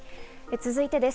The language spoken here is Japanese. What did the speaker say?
続いてです。